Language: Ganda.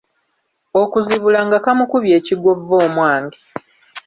Okuzibula nga kamukubye ekigwo vvoomwange.